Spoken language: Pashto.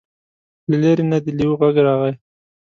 له لرې نه د لیوه غږ راغی.